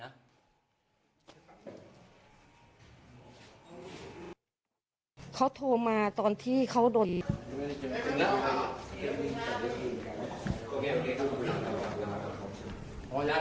ชาลุกพูดนะครับคุณผู้ชมครับคุณผู้ชมครับคุณผู้ชมครับคุณผู้ชมครับ